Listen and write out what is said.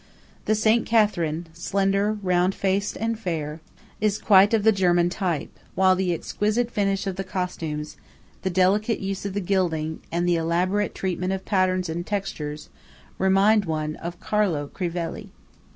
The Saint Catherine, slender, round faced, and fair, is quite of the German type; while the exquisite finish of the costumes, the delicate use of the gilding, and the elaborate treatment of patterns and textures, remind one of Carlo Crivelli.